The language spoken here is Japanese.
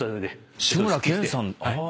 志村けんさん。